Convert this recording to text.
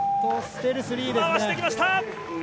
回してきました。